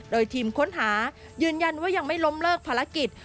โดยทีมค้นหายืนยันว่ายังไม่ล้มเลิกภารกิจ